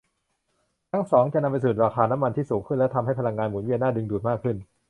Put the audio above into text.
ทั้งสองจะนำไปสู่ราคาน้ำมันที่สูงขึ้นและทำให้พลังงานหมุนเวียนน่าดึงดูดมากขึ้น